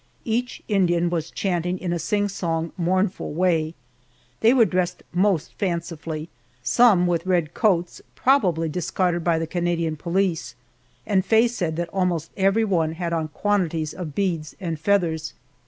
Each Indian was chanting in a sing song, mournful way. They were dressed most fancifully; some with red coats, probably discarded by the Canadian police, and Faye said that almost everyone had on quantities of beads and feathers.